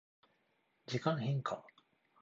時間変化